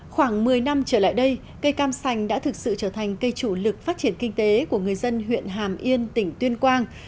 khoảng một mươi năm trở lại đây cây cam sành đã thực sự trở thành cây chủ lực phát triển kinh tế của người dân huyện hàm yên tỉnh tuyên quang